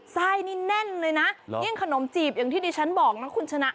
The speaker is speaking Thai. ไส้นี่แน่นเลยนะยิ่งขนมจีบอย่างที่ดิฉันบอกนะคุณชนะ